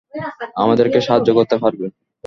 আমাদেরকে সাহায্য করতে পারবেন?